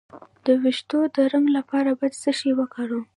د ویښتو د رنګ لپاره باید څه شی وکاروم؟